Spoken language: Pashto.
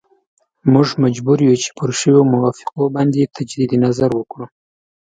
موږ مجبور یو چې پر شویو موافقو باندې تجدید نظر وکړو.